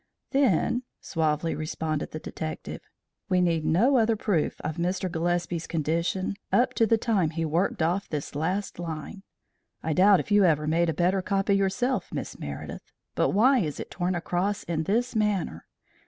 "Then," suavely responded the detective, "we need no other proof of Mr. Gillespie's condition up to the time he worked off this last line. I doubt if you ever made a better copy yourself, Miss Meredith. But why is it torn across in this manner?